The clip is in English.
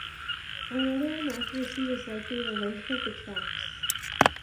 Another inaccuracy is likely the length of the trunks.